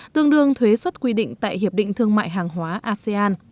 tương đương thuế xuất quy định tại hiệp định thương mại hàng hóa asean